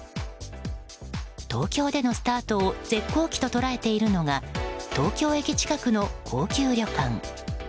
東京でのスタートを絶好機と捉えているのが東京駅近くの高級旅館。